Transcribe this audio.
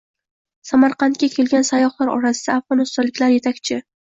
Samarqandga kelgan sayyohlar orasida afg‘onistonliklar yetakchi